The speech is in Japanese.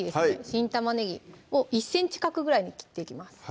新玉ねぎを１ｃｍ角ぐらいに切っていきます